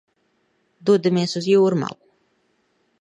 Dodamies uz Jūrmalu.